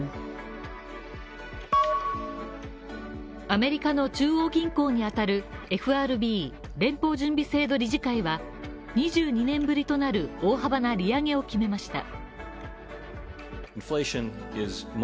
アメリカの中央銀行にあたるＦＲＢ＝連邦準備制度理事会は２２年ぶりとなる大幅な利上げを決めました。